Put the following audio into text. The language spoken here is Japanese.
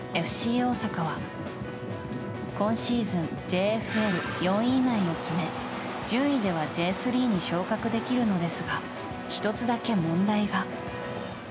大阪は今シーズンＪＦＬ、４位以内を決め順位ではＪ３に昇格できるのですが１つだけ問題が。